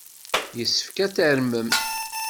Yessefk ad tarmem!